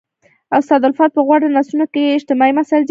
استاد الفت په غوره نثرونو کښي اجتماعي مسائل زیات راغلي.